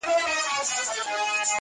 پر اسمان ځلېدونکی ستوری یاد کړی